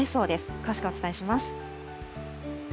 詳しくお伝えします。